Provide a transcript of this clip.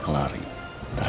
untuk seorang orang